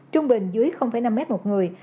trung bình dưới năm m một người